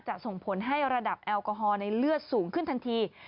ส่งผลให้ระดับแอลกอฮอล์ในเลือดสูงขึ้นทันที